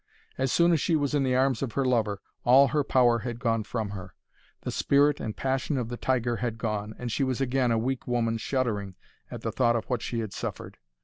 As soon as she was in the arms of her lover, all her power had gone from her. The spirit and passion of the tiger had gone, and she was again a weak woman shuddering at the thought of what she had suffered.